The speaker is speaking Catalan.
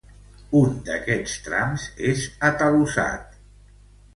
Un d'aquests trams és atalussat.